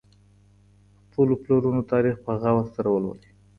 د خپلو پلرونو تاريخ په غور سره ولولئ.